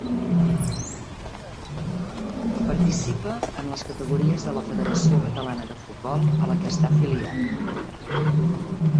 Participa en les categories de la Federació Catalana de Futbol a la que està afiliat.